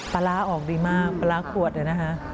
ปลาร้าออกดีมากปลาร้าขวดเนี่ยนะคะ